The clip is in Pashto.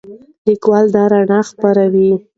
لیکوال دا رڼا خپروي.